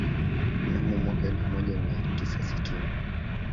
Mnamo mwaka elfu moja mia tisa sitini